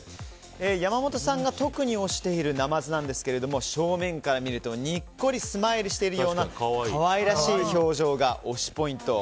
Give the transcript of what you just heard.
山本さんが特に推しているナマズなんですが正面から見るとにっこりスマイルしているような可愛らしい表情が推しポイント。